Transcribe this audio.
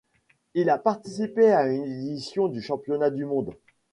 Il a participé à une édition du championnat du monde.